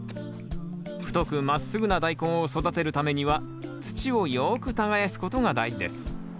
太くまっすぐなダイコンを育てるためには土をよく耕すことが大事です。